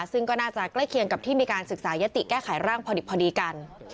ซึ่งก็น่าจะใกล้เคียงกับที่มีการศึกษายติแก้ไขร่างพอดิบพอดีกัน